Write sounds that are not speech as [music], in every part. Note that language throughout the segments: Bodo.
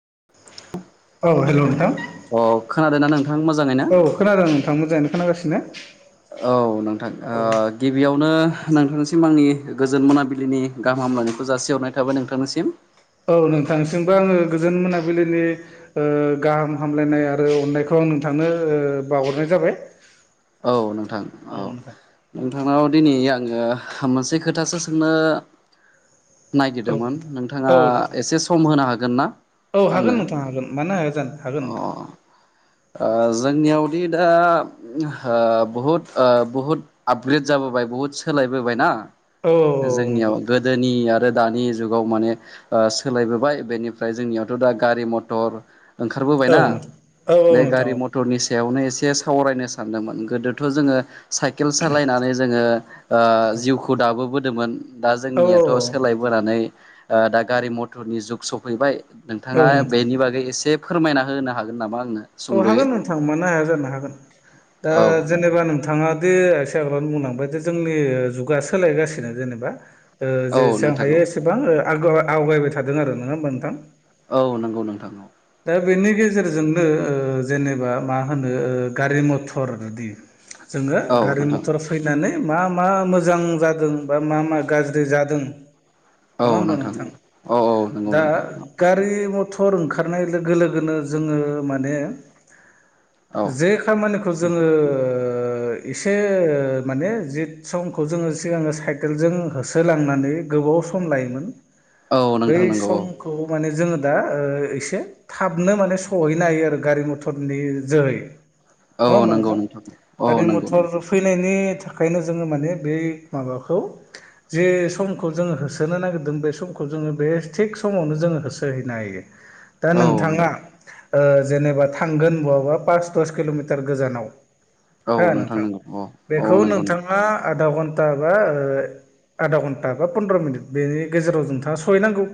[inaudible] औ हेल' नोंथां अ खोनादोंना नोंथां मोजाङैनो औ खोनादों नोंथां मोजाङैनो खोनागासिनो। औ नोंथां गिबियावनो नोंथांनिसिम आंनि गोजोन मोनाबिलिनि गाहाम हामलायनायखौ जासिहरनाय थाबाय नोंथांनिसिम। औ नोंथांसिमबो आङो गोजोन मोनाबिलिनि गाहाम हामलायनाय आरो अननायखौ आं नोंथांनो बाहरनाय जाबाय। औ नोंथां औ नोंथांनाव दिनै आङो मोनसे खोथासो सोंनो औ नोंथां औ नायगिरदोंमोन नोंथाङा नोंथां एसे सम होनो हागोन ना? औ आंनो हागोन नोंथां हागोन मानो हाया जानो हागोन अ नोंथां। ओ जोंनियावदि दा बुहुद बुहुद आपग्रेड जाबोबाय बुहुद सोलाय बोबायना औ जोंनियाव गोदोनि आरो दानि जुगाव माने ओ सोलाय बोबाय बेनिफ्राय जोंनियावथ' दा गारि मथर ओंखार बोबायना औ नंगौ बे नोंथां औ नोंथां औ नोंथां औ गारि मथरनि सायावनो एसे सावरायनो सा सानदोंमोन गोदोथ' जोङो साइकेल सालायनानै जोङो ओ औ जिउखौ दाबो दोंमोन दा जोंनियाथ' औ नोंथां सोलायबोनानै दा गारि मथरनि जुग सफैबाय। नोंथाङा बेनि बागै एसे फोरमायना होनो हागोन नामा? आंनो औ सुंद'यै हागोन नोंथां मानो हाया जानो हागोन दा औ जेनेबा नोंथाङा दे बुंलांबाय जे जोंनि जुगा सोलायगासिनो जेनेबा औ जेसेबां नोंथां औ हायो एसेबां आवगायबाय थादों आरो नङा होमबा नोंथां? औ नंगौ नोंथां औ। दा बेनि गेजेरजोंनो जेनेबा मा होनो गारि मथर बिदि जोङो औ गारि नोंथां मथर फैनानै मा मा मोजां जादों बा मा मा गाज्रि जादों नङा होमबा नोंथां औ औ नंगौ दा नोंथां औ गारि मथ मटर ओंखारनाय लोगो लोगोनो जोङो माने औ जे खामानिखौ जोङो इसे माने जित समखौ जोङो सिगाङो साइकेलजों होसोलांनानै गो गोबाव सम लायोमोन औ बै नोंथां नंगौ समखौ माने जों दा एसे थाबनो माने सहैनो हायो आरो गारि मथरनि जोहै नङा औ होमबा नंगौ नोंथां औ गारि नंगौ नंगौ मथर फैनायनि थाखायनो जोङो माने बे माबाखौ जे समखौ जोङो होसोनो नागिरदों बे समखौ जोङो बे थिग समावनो जोङो होसोहैनो हायो। दा औ नोंथाङा नंगौ ओ जेनेबा थांगोन बहाबा पास दस किल'मिटार गोजानाव औ हो नोंथां नंगौ औ औ बेखौ नंगौ नोंथां नोंथाङा आदा घन्टा बा आदा घन्टा बा पन्द्र मिनिट बेनि गेजेराव जोंथाङा सहैनांगौ।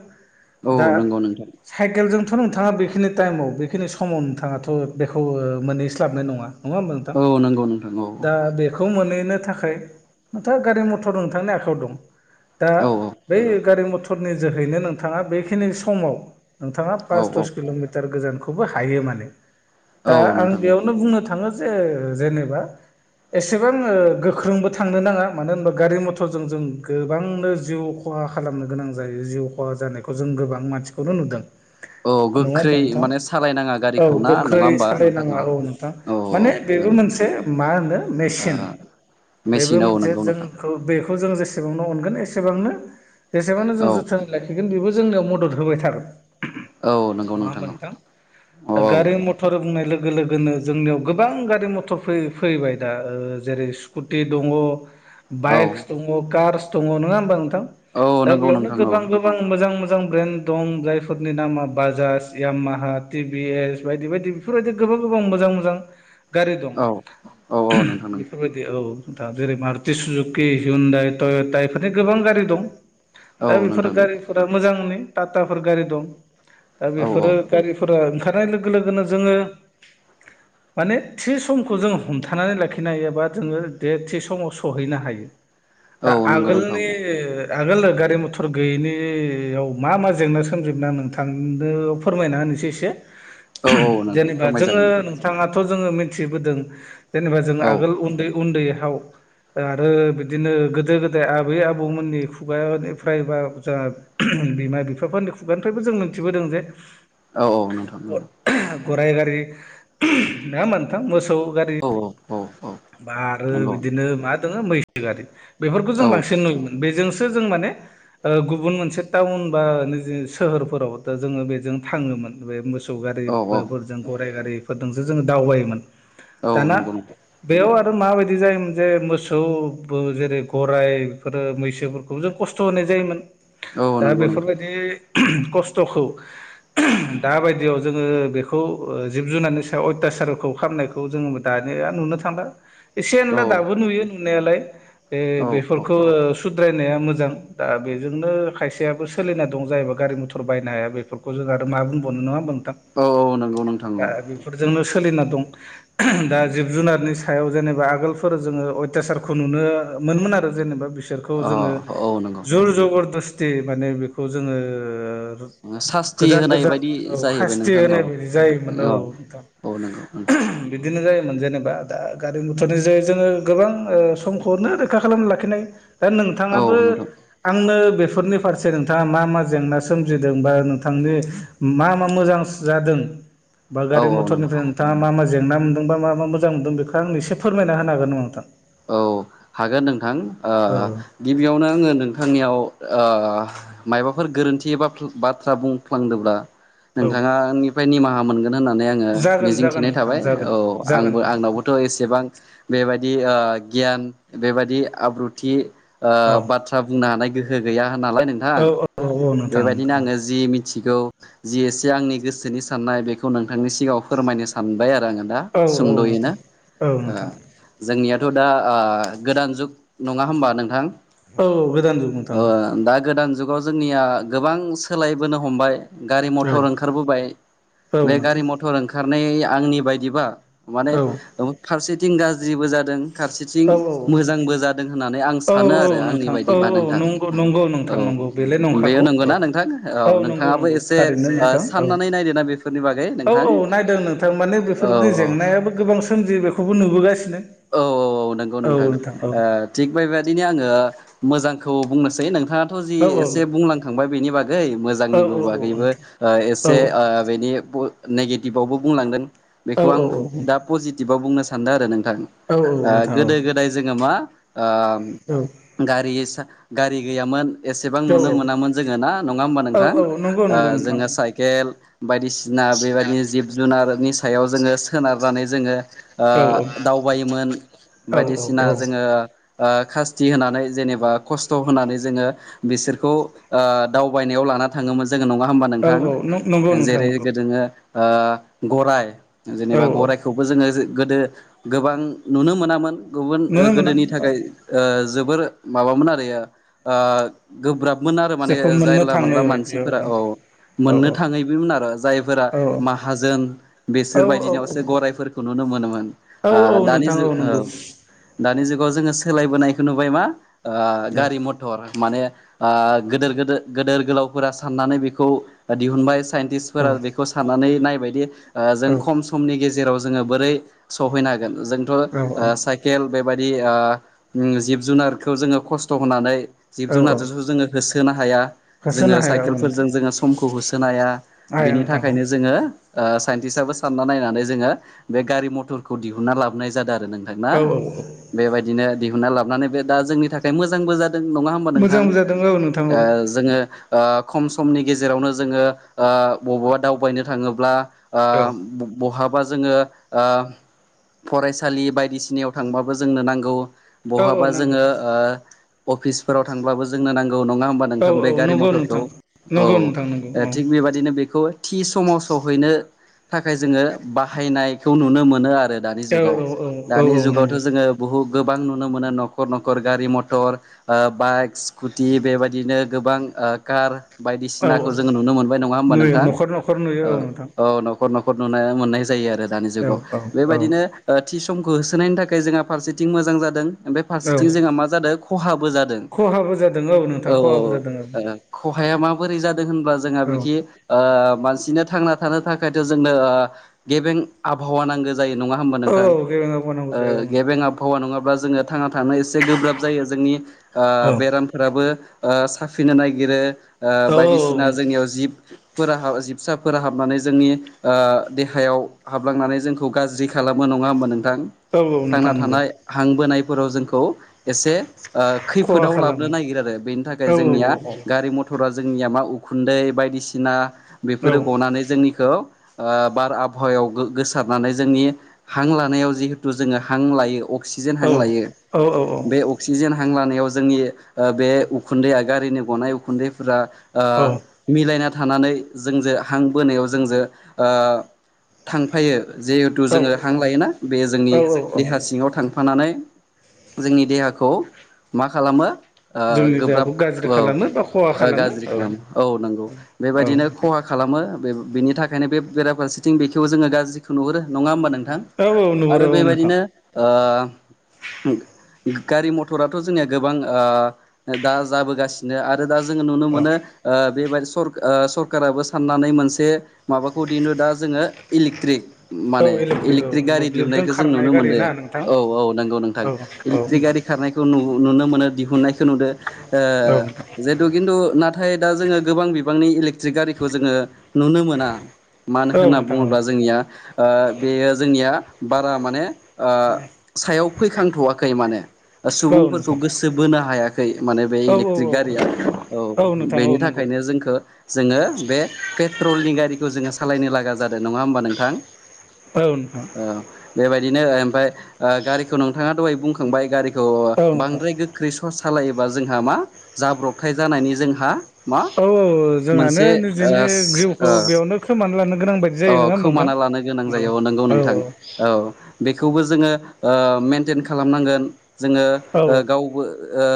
औ दा नंगौ नोंथां साइकेलजों थ' नोंथाङा बेखिनि टाइमाव बेखिनि समाव नोंथाङाथ' बेखौ मोनहैस्लाबनाय नङा। नङा होनबा नोंथां औ नंगौ नोंथां औ दा बेखौ मोन नैनो थाखाय नोंथाङा गारि मथर दं नोंथांनि आखाइयाव दं। दा औ औ बै नोंथां गारि मथरनि जोहैनो नोंथाङा बेखिनि समाव नोंथाङा औ पास औ दस किल'मिटार गोजानखौबो हायो माने औ दा आं नोंथां बेयावनो बुंनो थाङो जे जेनेबा एसेबां गोख्रोंबो थांनो नाङा मानो होनबा गारि मथरजों जों गोबांनो जिउ खहा खालामनो गोनां जायो जिउ खहा जानायखौ जों गोबां मानसिखौनो नुदों। औ नङा गोख्रै होमबा नोंथां माने सालायनाङा औ गारिखौ ना नङा गोख्रै होमबा नोंथाङा सालायनाङा औ नोंथां औ माने बिबो नंगौ मोनसे मा होनो मेचिन बिबो मेसिन औ मोनसे नंगौ नोंथां जोंखौ बेखौ एसेबांनो अनगोन एसेबांनो जेसेबांनो जों औ जोथोन लाखिगोन बेबो जोंनियाव मदद होबाय थागोन। औ नंगौ नङा होमबा नोंथां औ दा गारि मटर बुंनाय लोगो लोगो लोगोनो जोंनियाव गोबां गारि मटर फैबाय दा जेरै- स्कुटि दङ, औ बाइक्स दङ, कार्स दङ, नङा होमबा नोंथां औ दा नंगौ बेयावनो नोंथां औ गोबां गोबां मोजां मोजां ब्रेन्ड दं जाय फोरनि नामा बाजाज, याममाहा, टिभि एस बायदि बायदि बेफोर बायदि गोबां गोबां मोजां मोजां गारि दं औ औ औ नोंथां नंगौ बेफोर बायदि औ दा जेरै मारुत सुजुकि उनन्दाइ टयटायफोरनि गोबां गारि दं औ दा बेफोर नोंथां गारिफोरा मोजांनि टाटाफोर गारि दं दा औ बेफोरो गारिफोरा लोगो लोगोनो जोङो [inaudible] माने थि समखौ जों हमथानानै लाखिनो हायो एबा जोङो बे थि समाव सहैनो हायो। दा औ नंगौ नोंथां आगोलनि औ आगोल गारि मथर गैयिनियाव मा मा जेंना सोमजि दोंमोन। नोंथांनोबो फोरमायना होनोसै एसे औ नोंथां जेनेबा जोङो फोरमायजागोन दे नोंथाङा थ' जोङो मिथिबोदों जेनेबा जों औ आगोल उन्दै उन्दैहाव आरो बिदिनो गोदो गोदाय आबै आबौमोननि खुगानिफ्राय बा जोंहा बिमा बिफाफोरनि खुगानिफ्रायबो जों मोनथिबोदों जे औ औ नोंथां उम गराय गारि नङा होनबा नोंथां? मोसौ गारि औ औ बा आरो नंगौ बिदिनो मा दङ मैसो गारि बेफोरखौ जों औ बांसिन नुोयोमोन बेजोंसो जों माने ओ गुबुन मोनसे टाउन बा निजि सोहोरफोराव जोङो बेजों थाङोमोन बे मोसौ औ गारिफोरजों गराइ गारि फोरदोंसो जोङो दावबायोमोन औ दाना नंगौ नोंथां बेयाव माबायदि जायोमोन जे मोसौ बो जेरै गराइफोर मैसोफोरखौ जों खस्थ' होनाय जायोमोन औ दा नंगौ नोंथां बेफोरबायदि खस्थ'खौ दा बायदियाव जोङो बेखौ जिब जुनारनि सायाव अयथासारखौ खालामनायखौ जोङो दा निया नुनो थांला एसे औ एनला दाबो नुयो नुनायालाय ओ औ बेफोरखौ औ सुद्रायनाया मोजां दा बेजोंनो खायसेयाबो सोलिना दं जायबा गारि मटर बायनो हाया बेफोरखौ जों मा बुंबावनो नङा होनबा नोंथां औ नंगौ नोंथां दा बेफोरजोंनो सोलिना दं दा जिब जुनारनि सायाव जेनेबा आगोलफोर जोङो अयथासारखौ नुनो मोनोमोन आरो जेनेबा बिसोरखौ जोङो औ औ नंगौ जर जबरदस्ती माने बेखौ जोङो सास्ति गोजान होनाय गोजान बायदि औ जाहैबाय खास्ति नोंथां होनाय औ बायदि जायोमोन औ नोंथां। औ नंगौ नोंथां। बिदिनो जायोमोन जेनेबा दा गारि मटरनि जे जोङो गोबां ओ समखौनो रोखा खालामना लाखिनाय दा औ नोंथाङाबो नोंथां आंनो बेफोरनि फारसे नोंथाङा मा मा जेंना सोमजिदों बा नोंथांनि मा मा मोजां जादों बा औ गारि औ नोंथां मथरनिफ्राय नोंथाङा मा मा जेंना मोनदोंबा मा मा मोजां मोनदों बेखौ आं एसे फोरमायना होनो हागोन नामा नोंथां? औ हागोन नोंथां ओ औ गिबियावनो आङो नोंथांनियाव ओ मायबाफोर गोरोन्थि एबा बाथ्रा बुंफ्लांदोंब्ला औ नोंथाङानिफ्राय निमाहा मोन गोन होननानै आङो जागोन जागोन मिजिंथिनाय नोंथां थाबाय जागोन औ जागोन आंबो नोंथां आंनावबोथ' एसेबां बेबायदि ओ गियान बेबायदि आब्रुथि ओ औ बाथ्रा बुंनो हानाय गोहो गैया। नालाय नोंथां औ औ औ नोंथां बेबायदिनो नोंथां औ आङो जि मिथिगौ जि एसे आंनि गोसोनि साननाय बेखौ नोंथांनि सिगाङाव फोरमायनो सानबाय आरो दा नोंथां औ सुंद'यैनो नोंथां औ ओ नोंथां जोंनि आयदा दा ओ गोदान जुग नङा होमबा नोंथां? औ गोदान जुग नोंथां ओ दा गोदान जुगाव जोंनिया गोबां सोलायबोनो हमबाय गारि मथर ओंखारबोबाय औ बे नोंथां गारि मथर ओंखारनाय आंनि बायदिबा माने औ फारसेथिं गाज्रिबो जादों फारसेथिं औ मोजांबो जादों होननानै आं औ सानो औ आरो आंनि नोंथां औ बायदिबा औ नोंथां नंगौ नंगौ औ नोंथां नंगौ बेलाय बेयो नंखागौ नंगौ ना नोंथां औ नंगौ नोंथाङाबो नंगौ एसे थारैनो ओ नोंथां औ साननानै नायदो ना बेफोरनि बा औ औ नायदों नोंथां माने औ बेफोरबदि जेंनायाबो गोबां सोमजियो बेखौबो नुबोगासिनो औ औ औ नंगौ नोंथां थिग बेबायदिनो आङो मोजांखौ बुंनोसै नों थाङाथ' जि औ एसे बुंलांखांबाय बेनि बागै औ मोजांनिबो औ बागैबो नोंथां औ एसे ओ बेनि नेगेटिभावबो बुंलांदों औ बेखौ आं औ दा पजिटिभाव बुंनो सान्दों आरो नोंथां ओ नोंथां औ गोदो गोदाय जोङो मा गारि गारि गैयामोन एसेबां औ नुनो औ मोनामोन जोङोना नङा होमबा नोंथां। औ नंगौ ओ नंगौ नोंथां जोङो साइकेल बायदिसिना बेबायदि जिब जुनारनि सायाव जोङो सोनारो जोङो औ दावबायोमोन औ बायदिसिना औ जोङो। ओ सासथि होनानै जेनेबा खस्थ' होनानै जोङो बिसोरखौ दावबायनायाव ला लाना थाङोमोन जोङो नङा होमबा औ नोंथां औ नंगौ नोंथां जेरै नंगौ गोदो गराय औ जेनेबा गरायखौबो जोङो गोदो गोबां नुनो मोनामोन। गुबुन नुनो मोना गोदोनि औ थाखाय जोबोर माबामोन आरो गोब्राब आरो माने जेखौ मोननो जायला थाङो मोनला बायदि मानसिफोरा औ औ मोननो थाङैमोन आरो जायफोरा औ माहाजोन बेसोर बायदिनावसो गराइफोरखौ नुनो मोनोमोन। औ ओ दानि औ नोंथां नंगौ जुग दानि जुग जोङो सोलायबोनायखौ नुबाय मा औ गारि मथर माने गोदोर गोदोर गोदोर गोलावफोरा साननानै बेखौ दिहुनबाय। औ साइनटिस्फोरा बेखौ साननानै नायबायदि जों खम समनि गेजेराव जों जो बोरै सहैनो हागोन जोंथ' औ सायकेल बेबायदि जिब जुनारखौ जोङो खस्थ' होनानै जिब औ जुनार औ जोङो होसोनो हाया होसोनो जोङो हाया औ नोंथां साइकेलफोरजों जोङो समखौ होसोनो हाया हाया बिनि नोंथां औ थाखायनो जोङो। साइन्टिस्टाबबो सानना नायनानै जोङो बे गारि मथरखौ दिहुनना लाबोनाय जादों आरो। नोंथांना औ औ बेबायदिनो दिहुनना लाबोनानै बे दा जोंनि थाखाय मोजांबो जादों। नङा होमबा मोजां नोंथां बुजादों औ नोंथां औ जोङो। खम समनि गेजेरावनो जोङो बबावबा दावबायनो थाङोब्ला। ओ औ बहाबा जोङो। फरायसालि बायदिसिनायाव थांबाबो जोंनो नांगौ औ औ बहाबा नांगौ जोङो अफिसफोराव थांब्लाबो जोंनो नांगौ। औ नङा होमबा औ नोंथां औ बे गारि नंगौ मटरखौ नोंथां औ नंगौ नोंथां नंगौ औ थिग बेबाददिनो बेखौ थि समाव सहैनो थाखाय जोङो बाहायनायखौ नुनो मोनो आरो। दानि औ जुगाव औ औ दानि औ जुगावथ' नंगौ जोङो बुहुद गोबां नुनो मोनो न'खर न'खर गारि मथर बाइक स्कुटि बेबायदिनो गोबां कार औ औ बायदिसिनाखौ जोङो नुनो मोनबाय नङा होमबा नुयो नोंथां न'खर न'खर नुयो नोंथां औ। न'ख न'खर नुनो मोननाय जायो आरो दानि औ जुगाव औ औ बेबायदिनो समखौ होसोनायनि थाखाय जोंहा फारसेथिं मोजां जादों। औ फारसेथिं जोंहा मा जादों खहाबो जादों खहाबो जादों औ नोंथां खहाबो औ। जादों औ आफाया माबोरै जादों होनबा जोंहा औ बिखि मानसिनो थांना थानो थाखायथ' जोंनो गेबें आबहावा नांगोन। जायो नङा होमबा औ नोंथां गेबेङाव मावनांगौ जायो औ नोंथां गेबें आबहावा नङाब्ला जोङो थांना थानो एसे गोब्राब जायो जोंनि औ बेरामफोराबो साफिनो नागिरो औ बायदिसिना जोंनियाव जिब फोर जिबसाफोरा हाबनानै जोंनि देहायाव हाबलांनानै जों खौ गाज्रि खालामनो नङा होमब नोंथां औ औ थांना नोंथां नंगौ थानाय हां बोनायफोराव जोंखौ एसे खहा खैफोदाव लाबोनो खालामो नागिरो आरो बेनि थाखाय औ जोंनिया गारि मथरा जोंनिया मा उखुन्दै बायदिसिना औ बेफोरो गनानै जोंनिखौ ओ बार आबहावायाव गोसार जोंनि हां लानायाव जिहेथु जोङो हां लायो अक्सिजेन औ हां लायो औ बे अक्सिजेन। हां लानायाव जोंनि बे उखुन्दैआ गारिनि गनाय उखुन्दैफोरा मिलायना। थानानै जोंजों हां बोनायाव जोंजों थांफायो। जिहेथु औ जोङो हां लायोना बे जोंनि औ देहा औ सिङाव थांफानानै जोंनि देहाखौ मा खालामो। जोंनि गोब्राब देहाखौ गाज्रि खालामो बा खहा औ गाज्रि औ खालामो औ नंगौ औ बेबायदिनो खहा खालामो। खालामो बे बिनि थाखायनो बेरा फारसेथिं बेखौ जोङो गाज्रिखौ नुहुरो नङा होमबा नोंथां। औ औ आरो नुहुरो औ नोंथां बेबायदिनो ओ ओम गारि मथराथ जोंनिया गोबां ओ दा जाबोगासिनो आरो दा जों नुनो औ मोन ओ बेबाय सर ओ सरकाराबो साननानै मोनसे माबाखौ दिनो दा जोङो इलिक्ट्रिक औ माने इलेक्ट्रिक औ इलिकट्रिक गारि मोब्लिबजों दिहुननायखौ जों खारनाय नुनो गारि मोनदों ना नोंथां औ औ नोंगौ नोंथां औ औ इलिकट्रिक नोंथां गारि खारनायखौ नु नुनो मोनो दिहुननायखौ नुदो ओ जेहेथु खिन्थु नाथा थाय दा जोङो गोबां बिबांनि इलेक्ट्रिक गारिखौ जोङो नुनो मोना। मानो औ होनना नोंथां औ बुङोब्ला जोंनिया ओ बेयो जोंनिया बारा माने। ओ सायाव फैखांथवाखै माने नोंथां औ सुबुंफोरखौ नोंथां गोसो बोनो हाया। खै माने बे औ इलिक्ट्रिक गारिया औ औ नोंथां औ बेनि नंगौ थाखायनो जोंखो जोङो बे पेट्रलनि गारिखौ जोङो सालायनो लागा जादों नङा होमबा नोंथां। औ नोंथां। औ बेबायदिनो ओमफ्राय ओ गारिखौ नोंथाङा दहाय बुंखांबाय गारिखौ औ नोंथां बांद्राय गोख्रै सस सालायोबा जोंहा मा जाब्रबथाय जानायनि जोंहा मा औ औ जोंहानो मोनसे निजेनि ओस जिउखौ ओ बेयावनो खोमाना लानो गोनां बायदि औ जायो नङा होमबा खोमाना लानो गोनां जायो औ नोंगौ नोंथां औ। बेखौबो जोङो ओ मेेनटेन खालामनांगोन जोङो औ औ ओ गावबो ओ।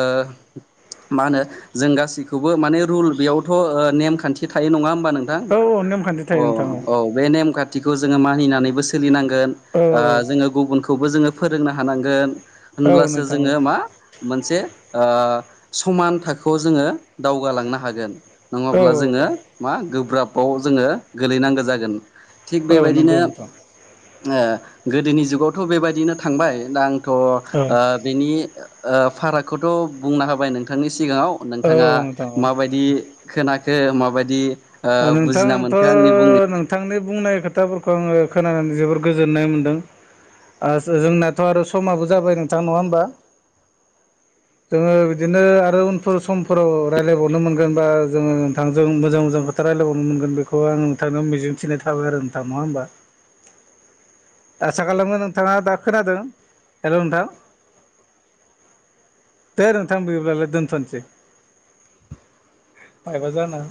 मा होनो जों गासैखौबो माने रुल बेयावथ ओ नेमखान्थि थायो नङा होमबा नोंथां। औ नेमखान्थि अ थायो नोंथां औ। बे नेमखाथिखौ जोङो मानिनानैबो सोलिनांगोन औ ओ जोङो गुबुनखौबो जोङो फोरोंनो हानांगोन औ औ होनब्लासो नोंथां औ जोङो मा मोनसे ओ समान थाखोआव जोङो दावगालांनो हागोन। औ नङाब्ला औ जोङो मा गोब्राबाव जोङो गोलैनांगौ जागोन। थिग औ औ बेबायदिनो नंगौ नोंथां ओ गोदोनि जुगावथ बेबायदिनो थांबाय दा आंथ ओ औ बेनि ओ फारागखौथ बुंना होबाय नोंथांनि सिगाङाव औ नोंथाङा नोंथां औ माबायदि खोनाख खो माबायदि ओ औ नोंथां बुजिना आंथ मोनखो आंनि बुं नों थांनि बुंनाय खोथाफोरखौ आङो खोनानानै जोबोर गोजोननाय मोनदों। ओ जो जोंनाथ आरो समाबो जाबाय नोंथां नङा होमबा। [inaudible] जोङो बिदिनो आरो उनफोर समफोराव रायलायबावनो मोनगोन बा जोङो नोंथांजों मोजां मोजां। था रायलायबावनो मोनगोन बेखौ आं नोंथांनाव मिजिंथिनाय थाबाय आरो नोंथां नङा होमबा। आसा खालामो नोंथाङा दा खोनादों हेलौ नोंथां। दे नोंथां बियोबालाय दोनथसै। फायबा जाना